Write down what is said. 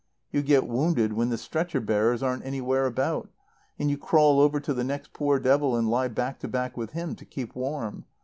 You get wounded when the stretcher bearers aren't anywhere about, and you crawl over to the next poor devil and lie back to back with him to keep warm.